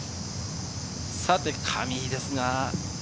さて、上井です。